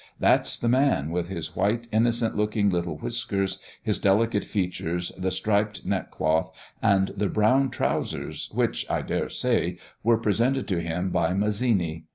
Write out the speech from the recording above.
That's the man, with his white, innocent looking little whiskers, his delicate features, the striped neckcloth, and the brown trousers, which, I dare say, were presented to him by Mazzini.